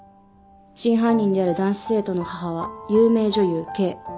「真犯人である男子生徒の母は有名女優Ｋ」